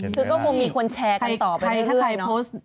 คือก็คงมีคนแชร์กันต่อไปเรื่อยเนาะ